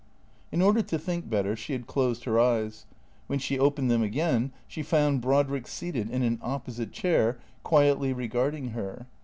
In order to think better she had closed her eyes. "WTien she opened them again she found Brodrick seated in an opposite chair, quietly regarding her.